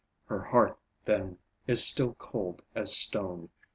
Her heart then is still cold as stone.